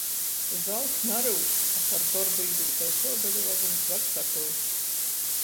Zalts naryus, a par dorbu īdūtais uobeļu vazums var sapyut.